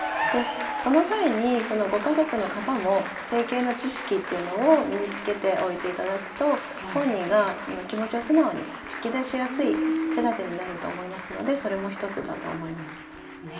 その際にご家族の方も整形の知識っていうのを身につけておいていただくと本人が気持ちを素直に吐き出しやすい手だてになると思いますのでそれも１つだと思います。